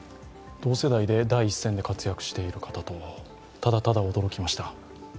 同世代で第一線で活躍している方ですので、ただただ驚きました。